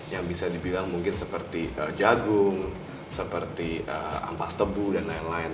yang bisa dibilang mungkin seperti jagung seperti ampas tebu dan lain lain